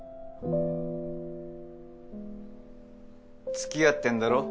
つきあってんだろ？